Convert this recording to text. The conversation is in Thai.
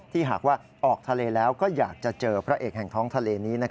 หากว่าออกทะเลแล้วก็อยากจะเจอพระเอกแห่งท้องทะเลนี้